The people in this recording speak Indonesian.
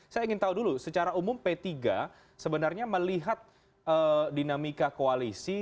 saya ingin tahu dulu secara umum p tiga sebenarnya melihat dinamika koalisi